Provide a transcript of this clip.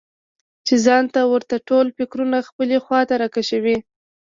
چې ځان ته ورته ټول فکرونه خپلې خواته راکشوي.